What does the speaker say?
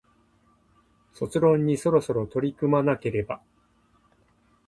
卒論にそろそろ取り組まなければ